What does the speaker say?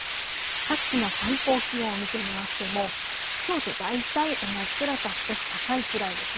各地の最高気温を見てみましてもきょうと大体同じくらいか少し高いくらいです。